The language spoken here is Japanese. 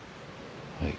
はい。